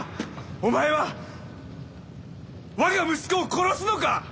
お前は我が息子を殺すのか！？